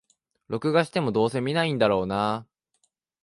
録画しても、どうせ観ないんだろうなあ